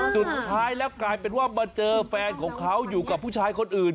สุดท้ายแล้วกลายเป็นว่ามาเจอแฟนของเขาอยู่กับผู้ชายคนอื่น